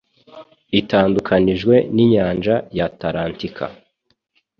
itandukanijwe n'inyanja ya Atalantika